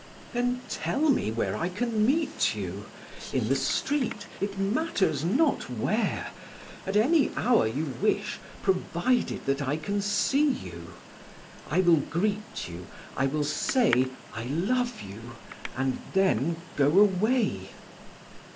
"Then tell me where I can meet you in the street it matters not where at any hour you wish provided that I can see you. I will greet you; I will say, I love you; and then go away."